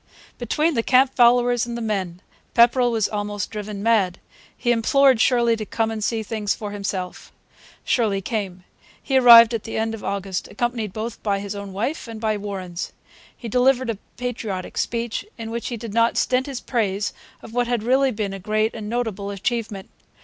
Between the camp followers and the men Pepperrell was almost driven mad. He implored Shirley to come and see things for himself. Shirley came. He arrived at the end of August accompanied both by his own wife and by Warren's. He delivered a patriotic speech, in which he did not stint his praise of what had really been a great and notable achievement.